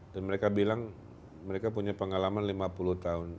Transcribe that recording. dan mereka bilang mereka punya pengalaman lima puluh tahun